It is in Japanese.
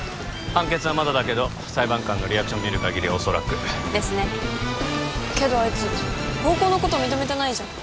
判決はまだだけど裁判官のリアクション見る限りは恐らくですねけどアイツ暴行のこと認めてないじゃん